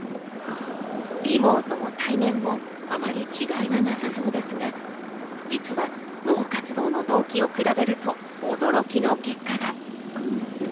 リモートも対面もあまり違いはなさそうですが実は脳活動の同期を比べると驚きの結果が！